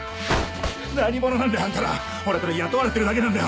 何者なんだ？あんたら俺はただ雇われてるだけなんだよ